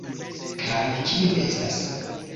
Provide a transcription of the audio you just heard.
Kaj... kio estas...